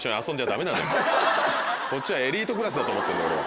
こっちはエリートクラスだと思ってるんだ俺は。